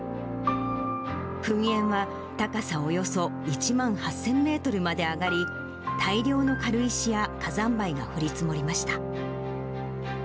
噴煙は、高さおよそ１万８０００メートルまで上がり、大量の軽石や火山灰が降り積もりました。